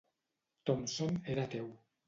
Thompson era ateu.